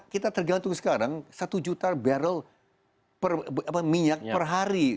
kita tergantung sekarang satu juta barrel minyak per hari